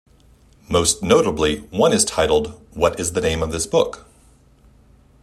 Most notably, one is titled What Is the Name of This Book?